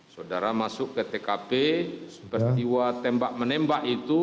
saudara masuk ke tkp peristiwa tembak menembak itu